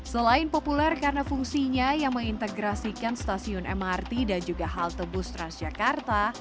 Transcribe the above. selain populer karena fungsinya yang mengintegrasikan stasiun mrt dan juga halte bus transjakarta